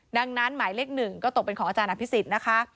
ดังนั้นหมายเลข๑ก็ตกเป็นของอาจารย์อภิษฎนะคะ